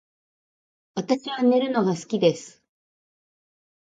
私は寝るのが好きです